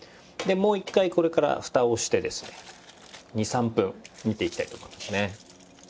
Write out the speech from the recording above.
でもう一回これから蓋をしてですね２３分煮ていきたいと思いますね。